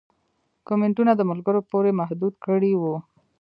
کمنټونه د ملګرو پورې محدود کړي وو